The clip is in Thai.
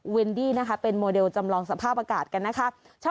วินดี้นะคะเป็นโมเดลจำลองสภาพอากาศกันนะคะ